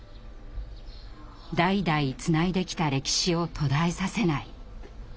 代々つないできた歴史を途絶えさせない。